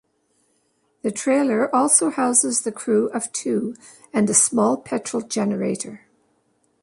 The trailer also houses the crew of two and a small petrol generator.